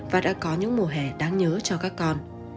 và đã có những mùa hè đáng nhớ cho các con